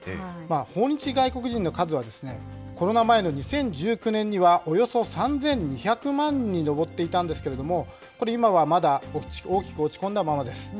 訪日外国人の数は、コロナ前の２０１９年には、およそ３２００万人に上っていたんですけど、これ、今はまだ大きく落ち込んだままです。